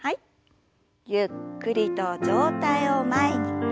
ゆっくりと上体を前に。